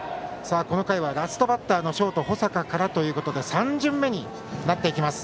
この回はラストバッターのショート保坂から３巡目です。